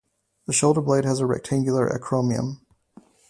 The shoulderblade has a rectangular acromion.